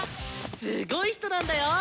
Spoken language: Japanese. すごい人なんだよ！